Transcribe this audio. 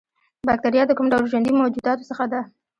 باکتریا د کوم ډول ژوندیو موجوداتو څخه ده